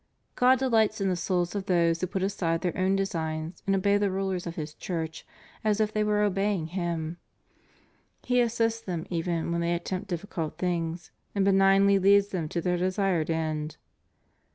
God deUghts in the souls of those who put aside their own designs and obey the rulers of His Church as if they were obeying Him; He assists them even when they attempt difficult things and benignly leads them to their desired end.